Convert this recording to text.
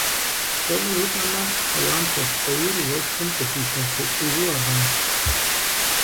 КӀэщӀу жыпӀэмэ, хьэуам хэлъ фӀейр уэшхым къыхилъэсыкӀыжу аращ.